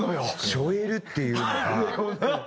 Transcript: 背負えるっていうのが。